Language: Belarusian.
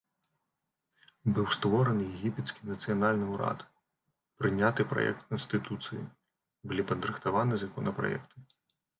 Быў створаны егіпецкі нацыянальны ўрад, прыняты праект канстытуцыі, былі падрыхтаваны законапраекты.